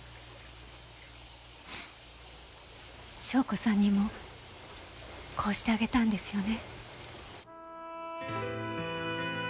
笙子さんにもこうしてあげたんですよね？